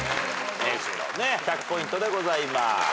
１００ポイントでございます。